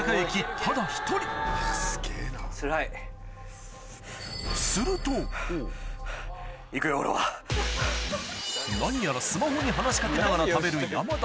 ただ１人何やらスマホに話し掛けながら食べる山田